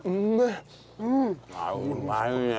うまいね。